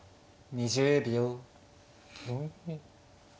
２０秒。